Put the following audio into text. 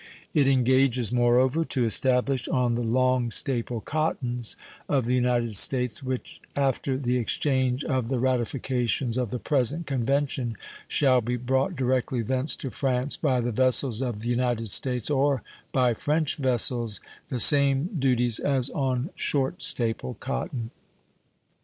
It engages, moreover, to establish on the long staple cottons of the United States which after the exchange of the ratifications of the present convention shall be brought directly thence to France by the vessels of the United States or by French vessels the same duties as on short staple cotton.